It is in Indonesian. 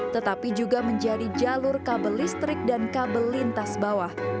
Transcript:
tetapi juga menjadi jalur kabel listrik dan kabel lintas bawah